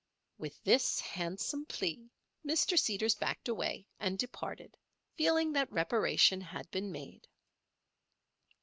With this handsome plea Mr. Seeders backed away, and departed, feeling that reparation had been made.